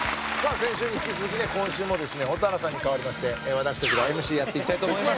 先週に引き続きね今週もですね蛍原さんに代わりまして私たちがＭＣやっていきたいと思います。